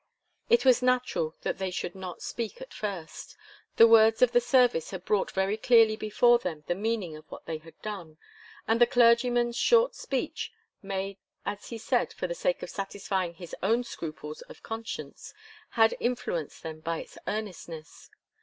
It was natural that they should not speak at first. The words of the service had brought very clearly before them the meaning of what they had done, and the clergyman's short speech, made as he said for the sake of satisfying his own scruples of conscience, had influenced them by its earnestness.